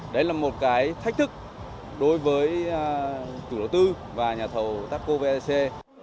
đấy là một cái thách thức đối với tổng công ty đầu tư phát triển đường cao tốc việt nam vec